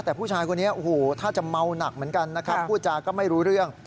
แต่ผู้ชายคนนี้ถ้าเมาหนักเหมือนกันผู้ชายก็ไม่รู้เรื่อง